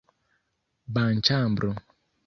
banĉambro